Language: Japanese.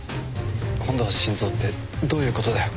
今度は心臓ってどういうことだよ？